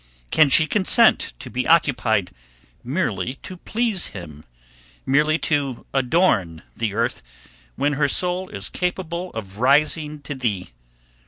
Can she consent to be occupied merely to please him; merely to adorn the earth, when her soul is capable of rising to thee?